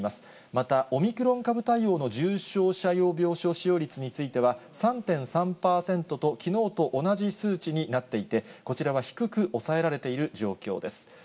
またオミクロン株対応の重症者用病床使用率については、３．３％と、きのうと同じ数値になっていて、こちらは低く抑えられている状況です。